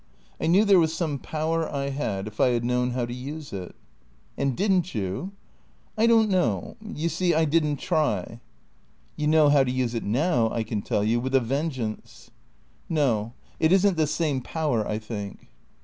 " I knew there was some power I had, if I had known how to use it." " And did n't you ?"" I don't know. You see, I did n't try." " You know how to use it now, I can tell you, with a ven geance." " No. It is n't the same power, I think."